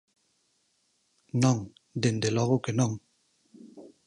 Non, dende logo que non.